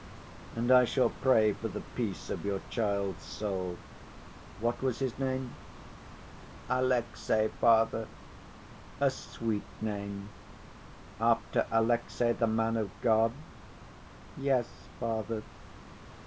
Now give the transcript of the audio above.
And I shall pray for the peace of your child's soul. What was his name?" "Alexey, Father." "A sweet name. After Alexey, the man of God?" "Yes, Father."